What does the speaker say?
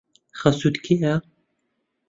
خەسووت کێیە؟